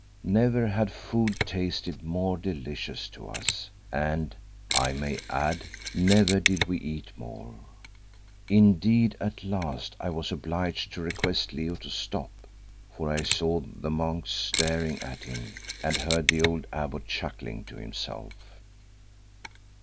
Never had food tasted more delicious to us, and, I may add, never did we eat more. Indeed, at last I was obliged to request Leo to stop, for I saw the monks staring at him and heard the old abbot chuckling to himself.